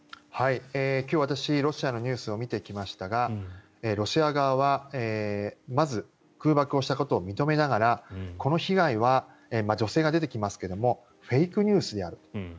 今日、私ロシアのニュースを見てきましたがロシア側は、まず空爆をしたことを認めながらこの被害は、女性が出てきますがフェイクニュースである。